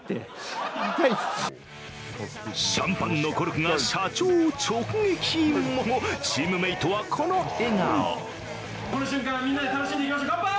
シャンパンのコルクが社長を直撃も、チームメイトはこの笑顔。